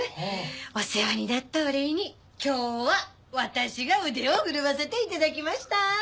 お世話になったお礼に今日は私が腕をふるわせていただきました。